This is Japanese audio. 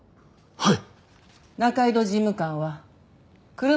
はい。